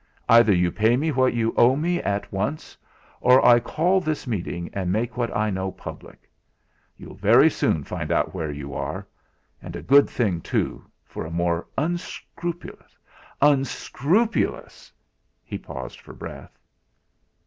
Either you pay me what you owe me at once, or I call this meeting and make what I know public. You'll very soon find out where you are. And a good thing, too, for a more unscrupulous unscrupulous " he paused for breath.